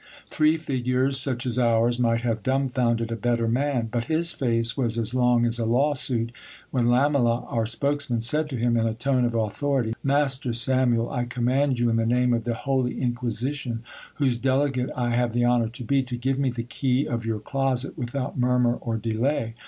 Three figures such as ours might have dumbfounded a better man ; but his face was as long as a lawsuit, when Lamela, our spokesman, said to him in a tone of authority : Master Samuel, I command you in the name of the holy inquisition, whose delegate I have the honour to be, to give me the key of your closet without murmur or delay.